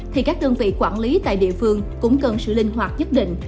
thì các đơn vị quản lý tại địa phương cũng cần sự linh hoạt nhất định